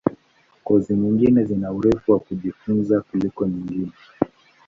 Kozi nyingine zina urefu wa kujifunza kuliko nyingine.